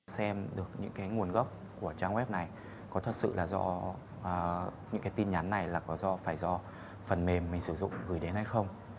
xem được những cái nguồn gốc của trang web này có thật sự là do những cái tin nhắn này là có phải do phần mềm mình sử dụng gửi đến hay không